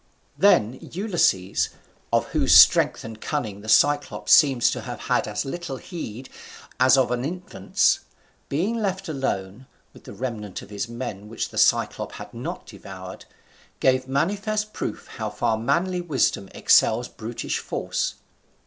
Then Ulysses, of whose strength or cunning the Cyclop seems to have had as little heed as of an infant's, being left alone, with the remnant of his men which the Cyclop had not devoured, gave manifest proof how far manly wisdom excels brutish force.